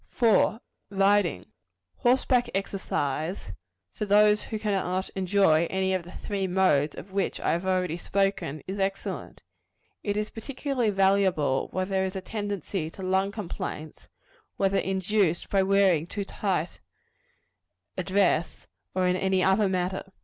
4. Riding. Horseback exercise, for those who cannot enjoy any of the three modes of which I have already spoken, is excellent. It is particularly valuable where there is a tendency to lung complaints, whether induced by wearing too tight a dress, or in any other manner.